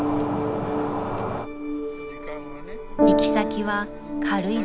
［行き先は］